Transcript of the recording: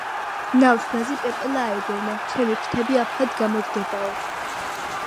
ნავს ნაზი პეპელა აედევნა, ჩემი ფრთები აფრად გამოდგებოდაო.